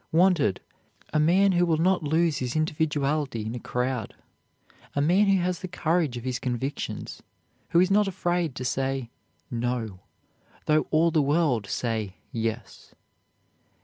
Wanted, a man who will not lose his individuality in a crowd, a man who has the courage of his convictions, who is not afraid to say "No," though all the world say "Yes."